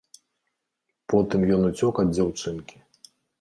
Потым ён уцёк ад дзяўчынкі.